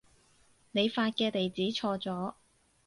你發嘅地址錯咗